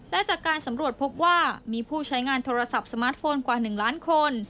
และจากการสำรวจพบว่ามีผู้ใช้งานโทรศัพท์สมาร์ทโฟนกว่า๑ล้านคน